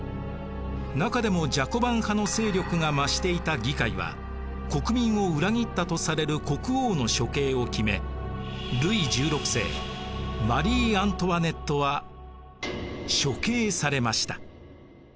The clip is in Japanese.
中でもジャコバン派の勢力が増していた議会は国民を裏切ったとされる国王の処刑を決めルイ１６世マリー・アントワネットは処刑されました。